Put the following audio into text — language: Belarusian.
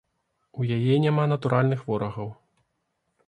У яе няма натуральных ворагаў.